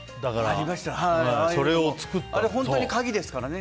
あれ本当に鍵ですからね。